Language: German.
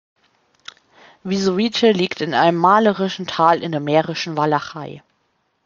Vizovice liegt in einem malerischen Tal in der Mährischen Walachei.